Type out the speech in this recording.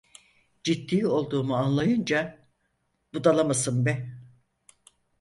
Ciddi olduğumu anlayınca: Budala mısın be!